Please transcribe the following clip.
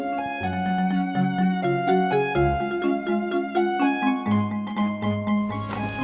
pertama kali pak